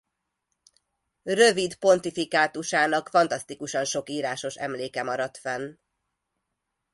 Rövid pontifikátusának fantasztikusan sok írásos emléke maradt fenn.